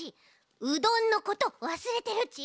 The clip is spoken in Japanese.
うどんのことわすれてるち！